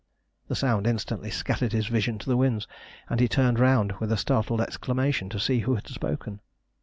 The sound instantly scattered his vision to the winds, and he turned round with a startled exclamation to see who had spoken.